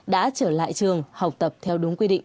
đã trở lại trường học tập theo đúng quy định